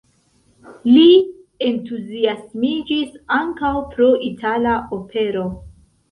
Li entuziasmiĝis ankaŭ pro itala opero.